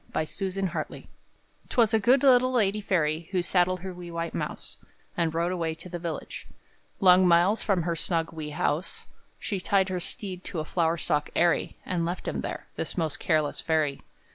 By Susan Hartley 'Twas a good little lady fairy, Who saddled her wee white mouse, And rode away to the village, Long miles from her snug, wee house; She tied her steed to a flower stalk airy, And left him there this most careless fairy!